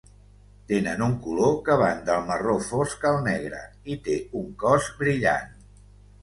Tenen un color que van del marró fosc al negre i té un cos brillant.